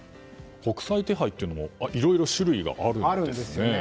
国際手配というのもいろいろ種類があるんですね。